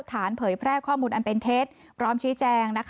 เผยแพร่ข้อมูลอันเป็นเท็จพร้อมชี้แจง